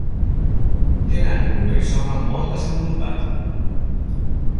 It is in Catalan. Tenen un rizoma molt desenvolupat.